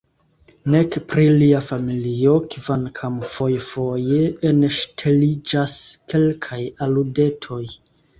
Nek pri lia familio – kvankam fojfoje enŝteliĝas kelkaj aludetoj.